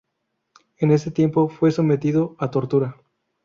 En ese tiempo fue sometido a tortura.